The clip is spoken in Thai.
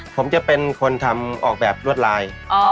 ผมจะเป็นคนทำออกแบบรวดลาย